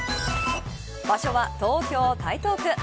場所は東京、台東区。